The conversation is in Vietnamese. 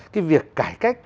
cái việc cải cách